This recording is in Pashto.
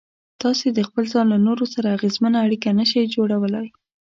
تاسې د خپل ځان له نورو سره اغېزمنه اړيکه نشئ جوړولای.